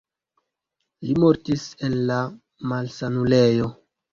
Li mortis en la malsanulejo.